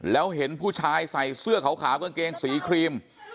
แล้วเห็นผู้ชายใส่เสื้อขาวกางเกงสีครีม